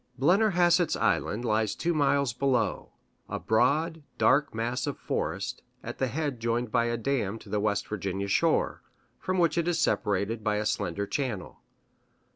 Blennerhassett's Island lies two miles below a broad, dark mass of forest, at the head joined by a dam to the West Virginia shore, from which it is separated by a slender channel.